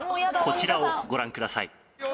「こちらをご覧ください」